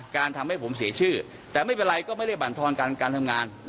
ทำให้ผมเสียชื่อแต่ไม่เป็นไรก็ไม่ได้บรรทอนการทำงาน